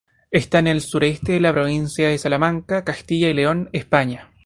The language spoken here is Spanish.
Está en el sureste de la provincia de Salamanca, Castilla y León, España.